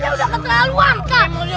udah keterlaluan kal